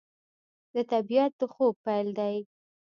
د طبیعت د خوب پیل دی